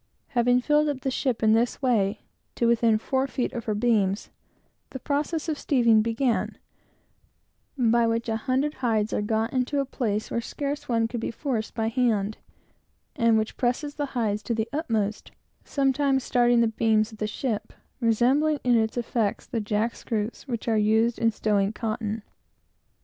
Having filled the ship up, in this way, to within four feet of her beams, the process of steeving commenced, by which an hundred hides are got into a place where one could not be forced by hand, and which presses the hides to the utmost, sometimes starting the beams of the ship, resembling in its effects the jack screws which are used in stowing cotton.